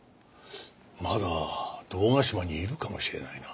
まだ堂ヶ島にいるかもしれないな。